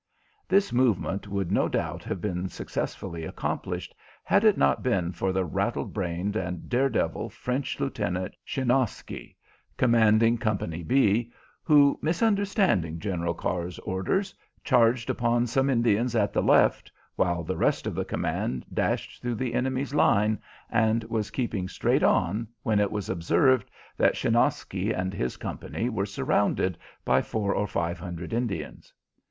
This movement would no doubt have been successfully accomplished had it not been for the rattle brained and dare devil French Lieutenant Schinosky, commanding Company B, who, misunderstanding General Carr's orders, charged upon some Indians at the left, while the rest of the command dashed through the enemy's line, and was keeping straight on, when it was observed that Schinosky and his company were surrounded by four or five hundred Indians.